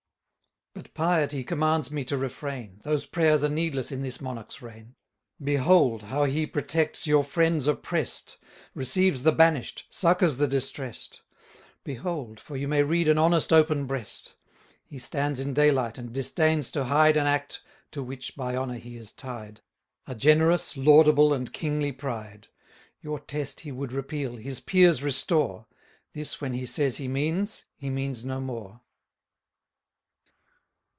But piety commands me to refrain; Those prayers are needless in this monarch's reign. Behold! how he protects your friends oppress'd, Receives the banish'd, succours the distress'd: Behold, for you may read an honest open breast. He stands in day light, and disdains to hide An act, to which by honour he is tied, 880 A generous, laudable, and kingly pride. Your Test he would repeal, his peers restore; This when he says he means, he means no more.